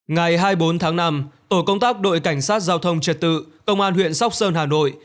ngày hai mươi bốn tháng năm tổ công tác đội cảnh sát giao thông trật tự công an huyện sóc sơn hà nội